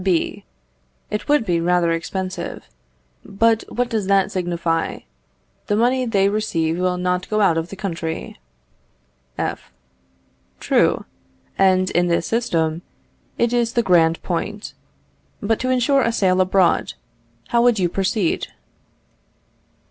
B. It would be rather expensive. But what does that signify? The money they receive will not go out of the country. F. True; and in this system it is the grand point. But to ensure a sale abroad, how would you proceed?